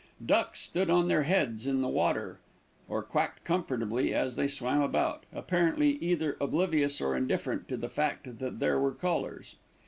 Ducks stood on their heads in the water, or quacked comfortably as they swam about, apparently either oblivious or indifferent to the fact that there were callers.